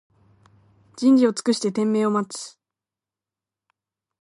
じんじをつくしててんめいをまつ